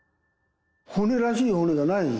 骨らしい骨がない。